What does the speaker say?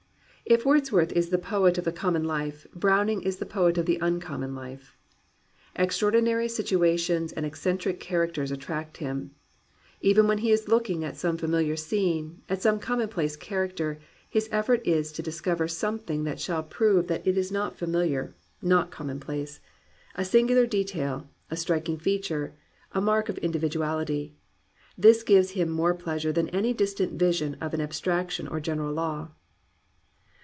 If Wordsworth is the poet of the common life, Browning is the poet of the uncommon life. Extraordinary situations and eccentric characters attract him. Even when he is looking at some fa miliar scene, at some commonplace character, his effort is to discover something that shall prove that 250 GLORY OF THE IMPERFECT" it is not familiar, not commonplace, — a singular detail, a striking feature, a mark of individuality. This gives him more pleasure than any distant vision of an abstraction or a general law.